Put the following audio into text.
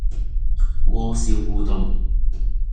鍋燒烏冬